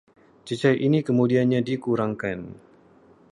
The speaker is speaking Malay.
Cecair ini kemudiannya dikurangkan